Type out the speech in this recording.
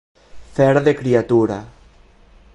Fer de criatura.